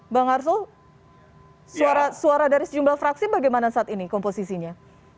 bang arsul suara dari sejumlah fraksi bagaimana saat ini komposisinya